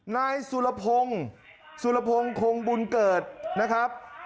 นายสุรพงศ์สุรพงศ์คงบุญเกิดนะครับ